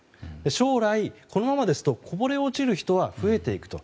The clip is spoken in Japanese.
将来、このままですとこぼれ落ちる人は増えていくと。